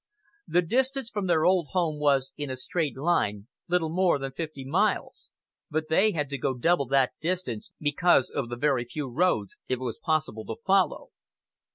The distance from their old home was, in a straight line, little more than fifty miles, but they had to go double that distance because of the very few roads it was possible to follow.